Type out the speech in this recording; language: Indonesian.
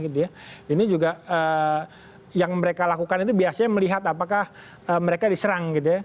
ini juga yang mereka lakukan itu biasanya melihat apakah mereka diserang gitu ya